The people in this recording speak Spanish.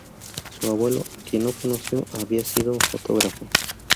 Su abuelo, a quien no conoció, había sido fotógrafo.